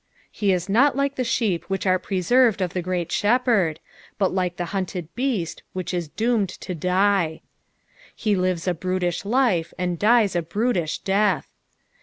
He is not like the sheep which are preserved of the Great Shepherd, but like the hunted beast which is doomed to die. He lives a brutish life and dies a brutish death.